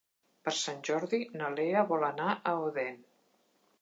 Per Sant Jordi na Lea vol anar a Odèn.